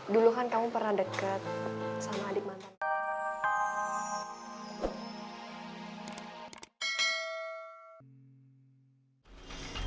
dulu kan kamu pernah deket sama adik mantan